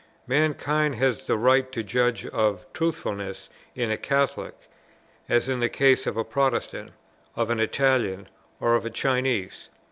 Mankind has the right to judge of Truthfulness in a Catholic, as in the case of a Protestant, of an Italian, or of a Chinese.